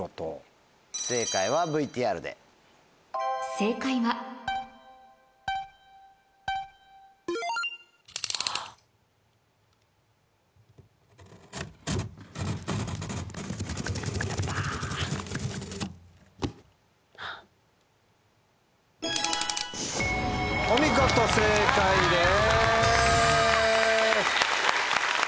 正解はお見事正解です。